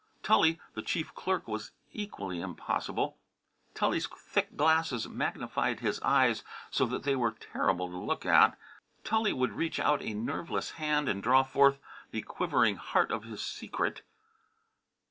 Tully, the chief clerk, was equally impossible. Tully's thick glasses magnified his eyes so that they were terrible to look at. Tully would reach out a nerveless hand and draw forth the quivering heart of his secret.